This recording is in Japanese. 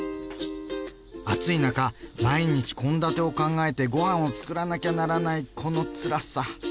暑い中毎日献立を考えてごはんをつくらなきゃならないこのつらさ。